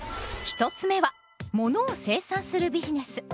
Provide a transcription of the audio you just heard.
１つ目はものを生産するビジネス。